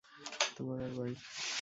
তোমার আর বাইক!